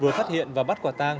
vừa phát hiện và bắt quả tăng